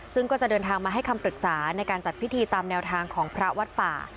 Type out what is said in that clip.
ซึ่งก็จะเดินทางมาให้คำปรึกษาในการจัดพิธีตามแนวทางของพระวัดป่า